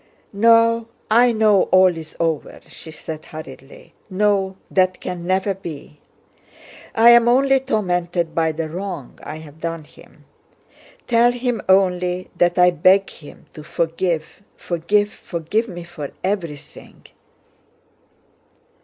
"No, I know all is over," she said hurriedly. "No, that can never be. I'm only tormented by the wrong I have done him. Tell him only that I beg him to forgive, forgive, forgive me for everything...."